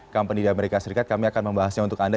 company di amerika serikat kami akan membahasnya untuk anda